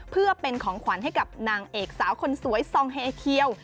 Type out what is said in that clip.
เพื่อเป็นของขวัญให้กับนางเอกสาวคนสวยซองเฮเคียว